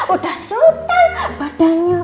udah sultan badannya